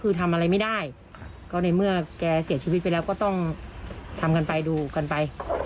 คือทำอะไรไม่ได้ก็ในเมื่อแกเสียชีวิตไปแล้วก็ต้องทำกันไปดูกันไป